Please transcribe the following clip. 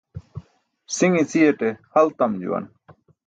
Si̇ṅ i̇ci̇yaṭ hal tam juwan.